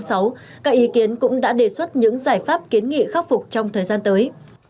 các ý kiến cũng đã đề xuất những giải pháp kiến nghị khắc phục trong thời gian tới